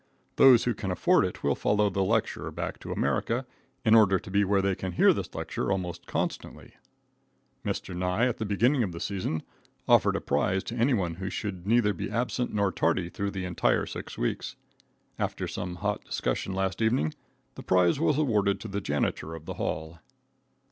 Those who can afford it will follow the lecturer back to America, in order to be where they can hear this lecture almost constantly. Mr. Nye, at the beginning of the season, offered a prize to anyone who should neither be absent nor tardy through the entire six weeks. After some hot discussion last evening, the prize was awarded to the janitor of the hall.